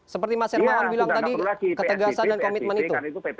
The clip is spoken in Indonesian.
seperti mas hermawan bilang tadi ketegasan dan komitmen itu